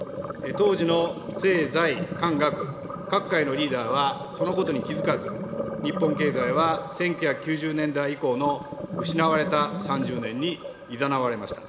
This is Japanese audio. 当時の政財官学、各界のリーダーはそのことに気付かず、日本経済は１９９０年代以降の失われた３０年にいざなわれました。